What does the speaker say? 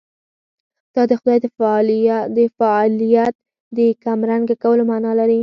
دا د خدای د فاعلیت د کمرنګه کولو معنا لري.